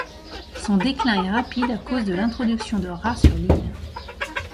Son déclin est rapide à cause de l'introduction de rats sur l'île.